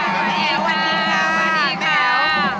สวัสดีค่ะสวัสดีค่ะแม่แอ๋ว